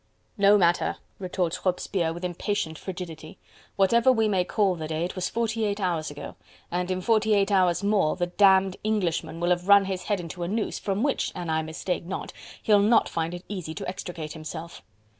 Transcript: "No matter," retorts Robespierre with impatient frigidity, "whatever we may call the day it was forty eight hours ago, and in forty eight hours more that damned Englishman will have run his head into a noose, from which, an I mistake not, he'll not find it easy to extricate himself."